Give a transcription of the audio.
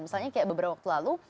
misalnya kayak beberapa waktu lalu